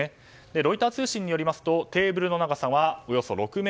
ロイター通信によりますとテーブルの長さはおよそ６ｍ。